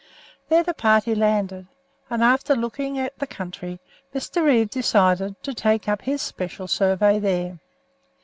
There the party landed, and after looking at the country Mr. Reeve decided to take up his special survey there.